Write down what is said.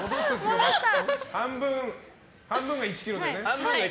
半分が１ｋｇだよね。